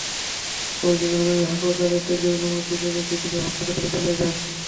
পরদিন রণবীর হাসপাতাল ত্যাগের অনুমতি পেলে দীপিকাও হাসপাতাল থেকে চলে যান।